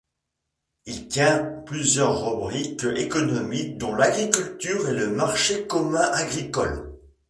Il tient plusieurs rubriques économiques dont l’agriculture et le marché commun agricole.